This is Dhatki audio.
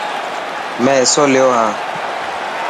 مين حصو ليو هان.